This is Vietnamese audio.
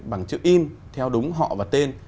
bằng chữ in theo đúng họ và tên